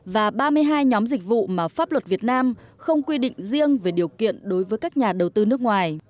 và ba mươi hai nhóm dịch vụ mà pháp luật việt nam không quy định riêng về điều kiện đối với các nhà đầu tư nước ngoài